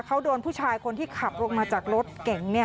เขาโดนผู้ชายคนที่ขับลงมาจากรถเก๋ง